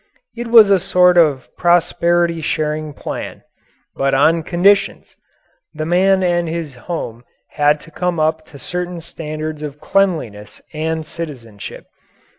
It was a sort of prosperity sharing plan. But on conditions. The man and his home had to come up to certain standards of cleanliness and citizenship.